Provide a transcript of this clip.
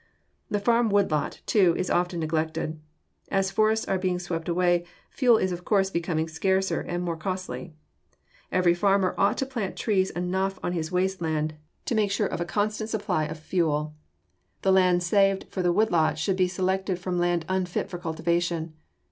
The farm wood lot, too, is often neglected. As forests are being swept away, fuel is of course becoming scarcer and more costly. Every farmer ought to plant trees enough on his waste land to make sure of a constant supply of fuel. The land saved for the wood lot should be selected from land unfit for cultivation.